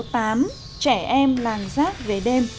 trẻ em làng giác về đêm